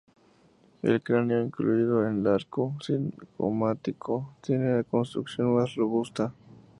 El cráneo, incluido el arco cigomático, tiene una constitución más robusta.